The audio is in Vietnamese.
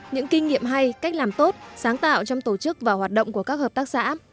những kinh nghiệm hay cách làm tốt sáng tạo trong tổ chức và hoạt động của các hợp tác xã